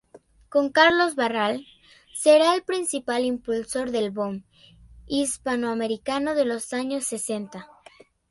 Con Carlos Barral, será el principal impulsor del Boom hispanoamericano de los años sesenta.